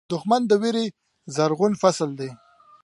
دښمن د وېرې زرغون فصل دی